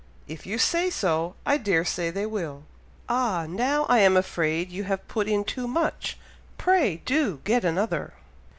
"If you say so, I dare say they will." "Ah! now I am afraid you have put in too much! pray do get another!"